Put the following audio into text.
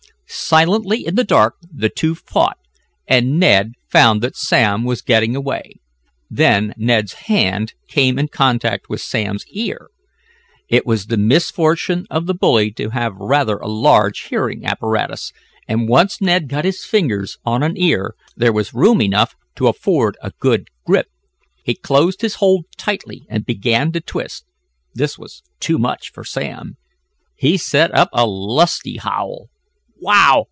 Silently in the dark the two fought, and Ned found that Sam was getting away. Then Ned's hand came in contact with Sam's ear. It was the misfortune of the bully to have rather a large hearing apparatus, and once Ned got his fingers on an ear there was room enough to afford a good grip. He closed his hold tightly, and began to twist. This was too much for Sam. He set up a lusty howl. "Wow!